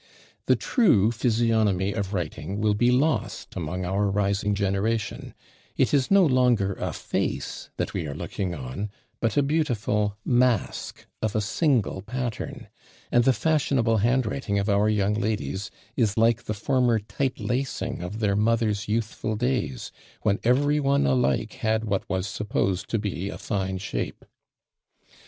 The true physiognomy of writing will be lost among our rising generation: it is no longer a face that we are looking on, but a beautiful mask of a single pattern; and the fashionable handwriting of our young ladies is like the former tight lacing of their mothers' youthful days, when every one alike had what was supposed to be a fine shape!